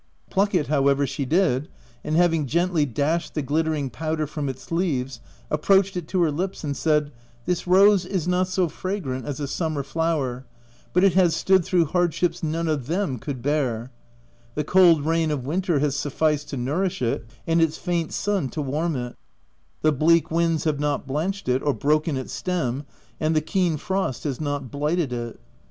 Pluck it however, she did, and hav ing gently dashed the glittering powder from its leaves, approached it to her lips and said, —" This rose is not so fragrant as a summer flower, but it has stood through hardships none of them could bear : the cold rain of winter has sufficed to nourish it, and its faint sun to warm it ; the bleak winds have not blanched it, or broken its stem, and the keen frost has not blighted it.